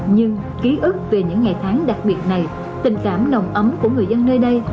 nhưng ký ức về những ngày tháng đặc biệt này tình cảm nồng ấm của người dân nơi đây